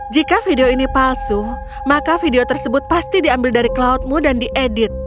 jika video ini palsu maka video tersebut pasti diambil dari cloudmu dan diedit